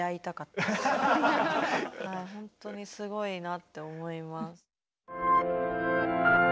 ほんとにすごいなって思います。